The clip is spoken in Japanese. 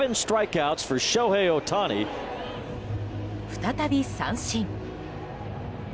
再び三振。